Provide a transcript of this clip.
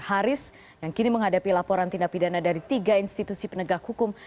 haris yang kini menghadapi laporan tindak pidana dari tiga institusi penegak hukum